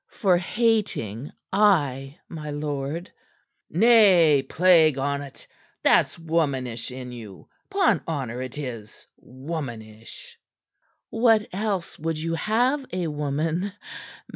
"For hating ay, my lord." "Nay, plague on't! That's womanish in you. 'Pon honor it is! Womanish!" "What else would you have a woman?